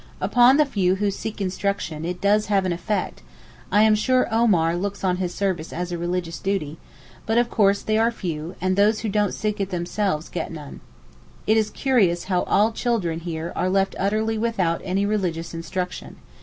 Upon the few who seek instruction it does have an effect (I am sure that Omar looks on his service as a religious duty), but of course they are few; and those who don't seek it themselves get none. It is curious how all children here are left utterly without any religious instruction.